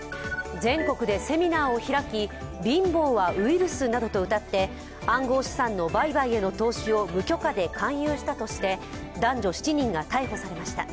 全国でセミナーを開き貧乏はウイルスなどとうたって暗号資産の売買への投資を無許可で勧誘したとして男女７人が逮捕されました。